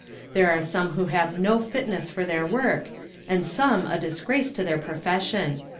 There are some who have no fitness for their work, and some a disgrace to their profession.